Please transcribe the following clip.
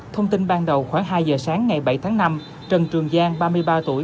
thông tin ban đầu khoảng hai giờ sáng ngày bảy tháng năm trần trường giang ba mươi ba tuổi